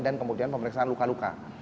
dan kemudian pemeriksaan luka luka